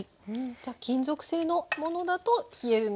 金属製のものだと冷えるのは。